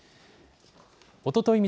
おととい